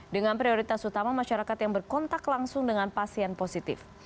dengan prioritas utama masyarakat yang berkontak langsung dengan pasien positif